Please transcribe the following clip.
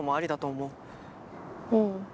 うん。